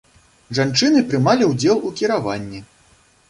Жанчыны прымалі ўдзел у кіраванні.